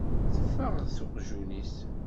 Teffeɣ s uqjun-is.